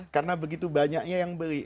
karena begitu banyaknya yang beli